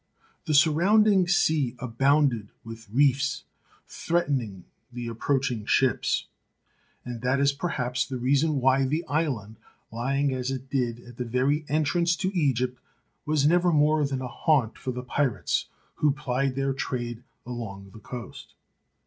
The surrounding sea abounded with reefs, threatening the approaching ships, and that is perhaps the reason why the island, lying as it did at the very entrance to Egypt, was never more than a haunt for the pirates who plied their trade along the coast.